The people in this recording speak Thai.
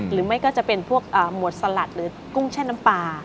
หรือไม่ก็จะเป็นพวกหมวดสลัดหรือกุ้งแช่น้ำปลา